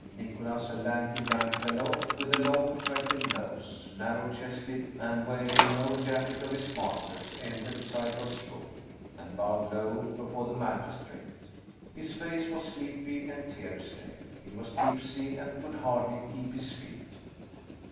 Nicholas, a lanky young fellow, with a long, freckled nose, narrow chested, and wearing an old jacket of his master's, entered Psyekoff's room, and bowed low before the magistrate. His face was sleepy and tear stained. He was tipsy and could hardly keep his feet.